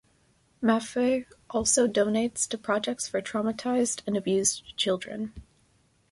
Maffay also donates to projects for traumatised and abused children.